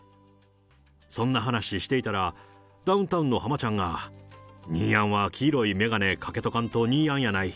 そんな話していたら、ダウンタウンの浜ちゃんが兄やんは黄色い眼鏡かけとかんと兄やんやない。